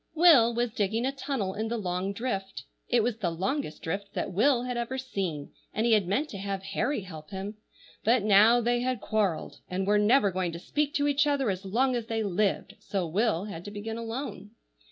WILL was digging a tunnel in the long drift. It was the longest drift that Will had ever seen, and he had meant to have Harry help him, but now they had quarrelled, and were never going to speak to each other as long as they lived, so Will had to begin alone.